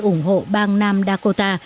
ủng hộ bang nam dakota